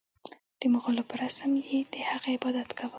د مغولو په رسم یې د هغه عبادت کاوه.